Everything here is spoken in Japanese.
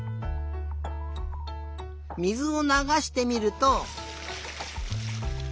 水をながしてみると。